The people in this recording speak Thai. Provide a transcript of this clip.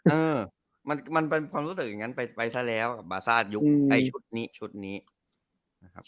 เออมันเป็นความรู้สึกอย่างนั้นไปซะแล้วกับบาซ่ายุคไอ้ชุดนี้ชุดนี้นะครับ